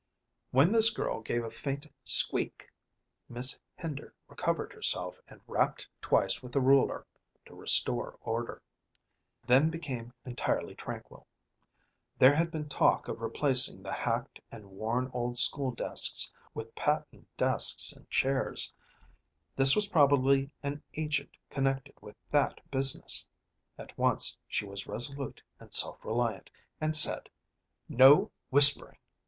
When this girl gave a faint squeak Miss Hender recovered herself, and rapped twice with the ruler to restore order; then became entirely tranquil. There had been talk of replacing the hacked and worn old school desks with patent desks and chairs; this was probably an agent connected with that business. At once she was resolute and self reliant, and said, "No whispering!"